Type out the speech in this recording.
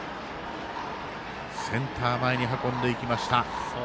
センター前に運んでいきました。